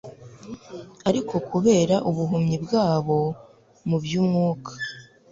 Ariko kubera ubuhumyi bwabo mu by'umwuka,